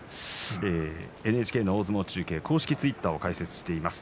ＮＨＫの大相撲中継公式ツイッターを開設しています。